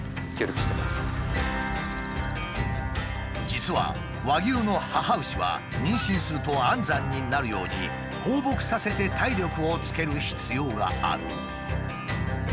実は和牛の母牛は妊娠すると安産になるように放牧させて体力をつける必要がある。